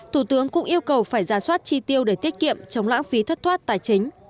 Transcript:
thủ tướng cũng yêu cầu phải ra soát chi tiêu để tiết kiệm chống lãng phí thất thoát tài chính